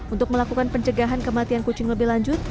untuk melakukan pencegahan kematian kucing lebih lanjut